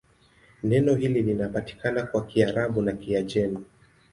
Neno hili linapatikana kwa Kiarabu na Kiajemi.